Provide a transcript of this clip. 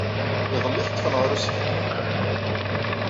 Iḍelli ay t-ḍḍfen ɣer usegnaf.